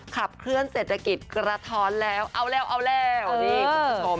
ขับเคลื่อนเศรษฐกิจกระท้อนแล้วเอาแล้วเอาแล้วนี่คุณผู้ชม